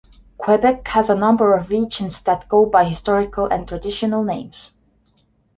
Quebec has a number of regions that go by historical and traditional names.